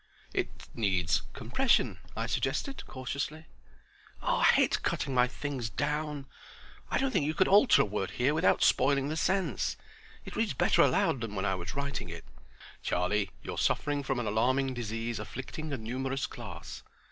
"It needs compression," I suggested, cautiously. "I hate cutting my things down. I don't think you could alter a word here without spoiling the sense. It reads better aloud than when I was writing it." "Charlie, you're suffering from an alarming disease afflicting a numerous class.